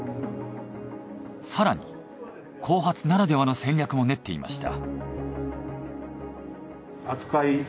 更に後発ならではの戦略も練っていました。